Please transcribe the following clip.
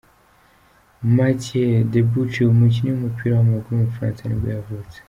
Mathieu Debuchy, umukinnyi w’umupira w’amaguru w’umufaransa nibwo yavutse.